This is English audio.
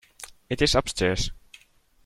It is upstairs.